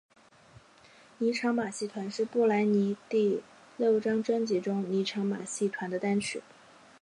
妮裳马戏团是布兰妮第六张专辑中妮裳马戏团的单曲。